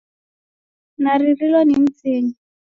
Naririlo ni mzinyi!